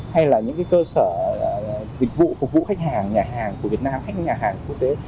hay là những cơ sở dịch vụ phục vụ khách hàng nhà hàng của việt nam khách nhà hàng quốc tế